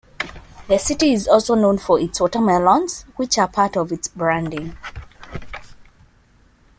The city is also known for its watermelons, which are part of its branding.